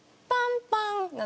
「パンパン」？